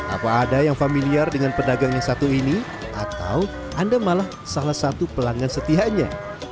apa ada yang familiar dengan pedagang yang satu ini atau anda malah salah satu pelanggan setianya